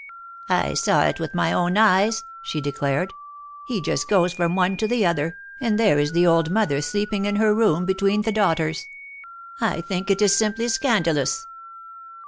saw it with my own eyes," she declared. "He just goes from one to the other, and there is the old mother sleeping in her room between the daughters. I think it is simply scandalous."